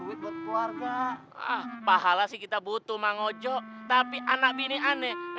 udah pada nungguin aja dari tadi ye